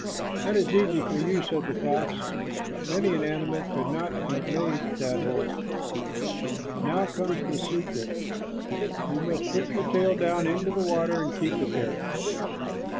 "That is easy for you," said the fox, "but many an animal could not have made that hole. Now comes the secret. You must put your tail down into the water and keep it there.